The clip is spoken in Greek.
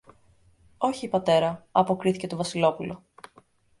Όχι, πατέρα, αποκρίθηκε το Βασιλόπουλο.